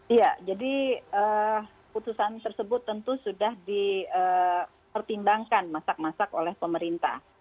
iya jadi putusan tersebut tentu sudah dipertimbangkan masak masak oleh pemerintah